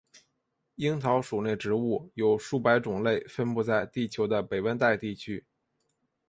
樱桃属内植物有数百种类分布在地球的北温带地区。